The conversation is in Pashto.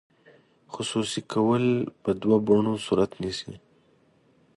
خصوصي کول په دوه بڼو صورت نیسي.